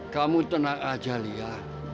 kamu tenang aja liya